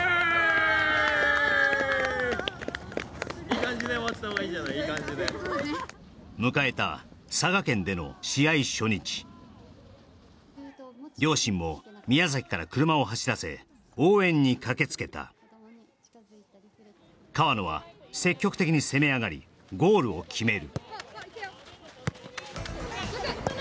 イイ感じで迎えた佐賀県での試合初日両親も宮崎から車を走らせ応援に駆けつけた川野は積極的に攻め上がりゴールを決める